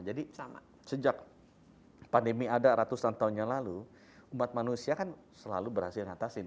jadi sejak pandemi ada ratusan tahun yang lalu umat manusia kan selalu berhasil mengatasin